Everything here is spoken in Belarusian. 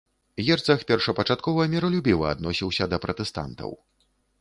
Герцаг першапачаткова міралюбіва адносіўся да пратэстантаў.